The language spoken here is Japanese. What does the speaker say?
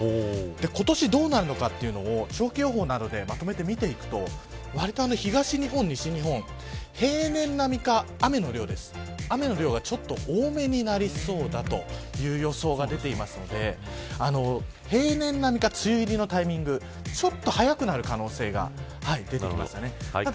今年はどうなるのかということを長期予報などでまとめて見てみるとわりと東日本、北日本平年並みか雨の量がちょっと多めになりそうだという予想が出ていますので平年並みか梅雨入りのタイミングちょっと早くなる可能性が出てきました。